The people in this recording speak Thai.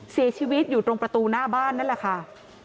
เสียชีวิตอยู่ตรงประตูหน้าบ้านนั่นแหละค่ะ